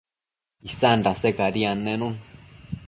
isan dase cadi annenun